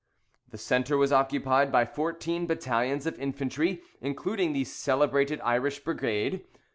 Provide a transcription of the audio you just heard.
The centre was occupied by fourteen battalions of infantry, including the celebrated Irish Brigade.